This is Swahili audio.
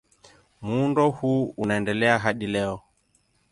Muundo huu unaendelea hadi leo.